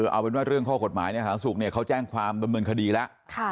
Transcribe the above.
เอาเป็นว่าเรื่องข้อกฎหมายในสาธารณสุขเขาแจ้งความดำเนินคดีแล้ว